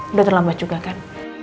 udah terlambat juga kan